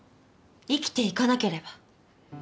生きていかなければ」